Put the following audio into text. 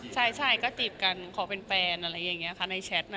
ใช่ก็จีบกันขอเป็นแฟนอะไรอย่างนี้ค่ะในแชท